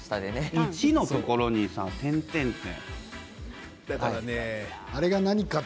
１のところに点々って。